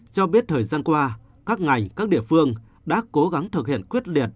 cho biết thời gian qua các ngành các địa phương đã cố gắng thực hiện quyết liệt